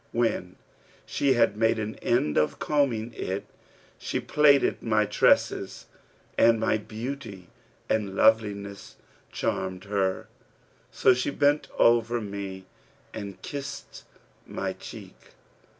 When she had made an end of combing it, she plaited my tresses, and my beauty and loveliness charmed her; so she bent over me and kissed my cheek.